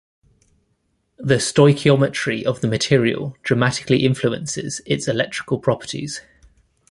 The stoichiometry of the material dramatically influences its electrical properties.